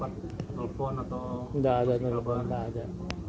tidak ada telepon tidak ada